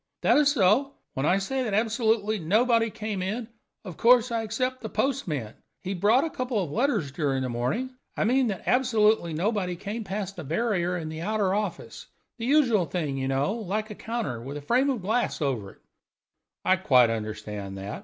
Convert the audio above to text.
"That is so. When I say that absolutely nobody came in, of course I except the postman. He brought a couple of letters during the morning. I mean that absolutely nobody came past the barrier in the outer office the usual thing, you know, like a counter, with a frame of ground glass over it." "I quite understand that.